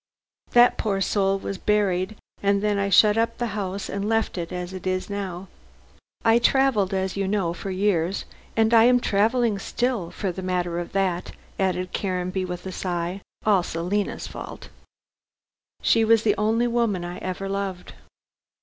That poor soul was buried, and then I shut up the house and left it as it is now. I travelled, as you know, for years, and I am travelling still, for the matter of that," added Caranby with a sigh, "all Selina's fault. She was the only woman I ever loved."